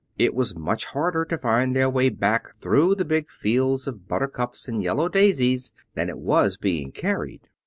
It was much harder to find their way back through the big fields of buttercups and yellow daisies than it was being carried.